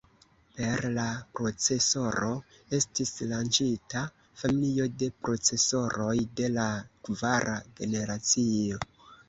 Per la procesoro estis lanĉita familio de procesoroj de la kvara generacio.